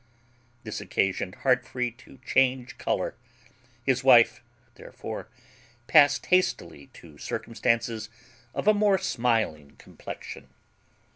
This occasioned Heartfree to change colour; his wife therefore passed hastily to circumstances of a more smiling complexion.